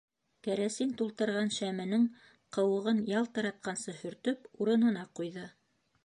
Кәрәсин тултырған шәменең ҡыуығын ялтыратҡансы һөртөп, урынына ҡуйҙы.